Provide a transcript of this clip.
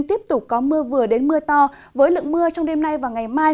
tiếp tục có mưa vừa đến mưa to với lượng mưa trong đêm nay và ngày mai